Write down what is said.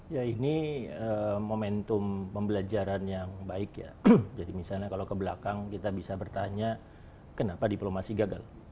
ya ini momentum pembelajaran yang baik ya jadi misalnya kalau ke belakang kita bisa bertanya kenapa diplomasi gagal